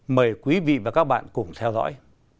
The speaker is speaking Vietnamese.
mời quý vị và các bạn cùng theo dõi